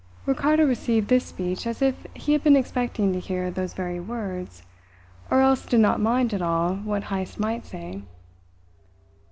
Ricardo received this speech as if he had been expecting to hear those very words, or else did not mind at all what Heyst might say.